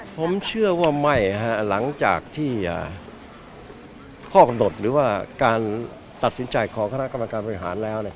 ผมเชื่อว่าไม่หลังจากที่ข้อกำหนดหรือว่าการตัดสินใจของคณะกรรมการบริหารแล้ว